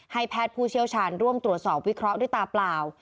แพทย์ผู้เชี่ยวชาญร่วมตรวจสอบวิเคราะห์ด้วยตาเปล่า